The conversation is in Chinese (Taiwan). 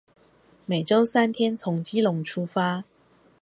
每週三天從基隆出發